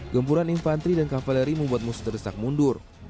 gempuran infanteri dan kavaleri membuat musuh terdesak mundur